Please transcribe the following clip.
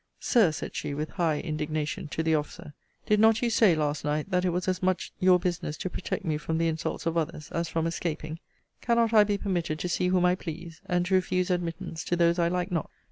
Sir, said she, with high indignation, to the officer, did not you say, last night, that it was as much your business to protect me from the insults of others, as from escaping? Cannot I be permitted to see whom I please? and to refuse admittance to those I like not?